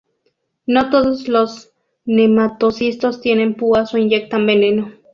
No todos los nematocistos tienen púas o inyectan veneno.